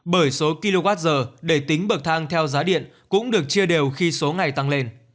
bởi số kwh để tính bậc thang theo giá điện cũng được chia đều khi số ngày tăng lên